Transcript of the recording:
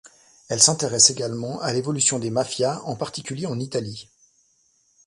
Elle s'intéresse également à l’évolution des mafias, en particulier en Italie.